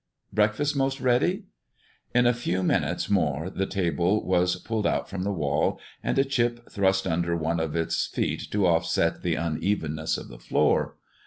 Breakfast 'most ready?" In a few minutes more the table was pulled out from the wall, and a chip thrust under one of its feet to offset the unevenness of the floor.